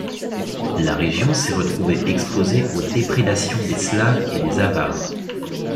La région s'est retrouvée exposée aux déprédations des Slaves et des Avars.